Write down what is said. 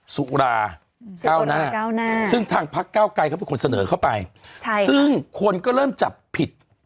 สุราเก้าหน้าเก้าหน้าซึ่งทางพักเก้าไกรเขาเป็นคนเสนอเข้าไปซึ่งคนก็เริ่มจับผิด